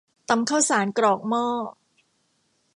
ตำข้าวสารกรอกหม้อ